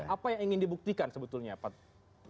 apa yang ingin dibuktikan sebetulnya pak